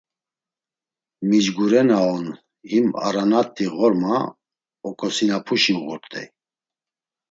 Micgure na on him aranat̆i ğorma oǩosinapuşi uğurt̆ey.